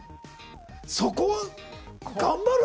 そこを頑張る？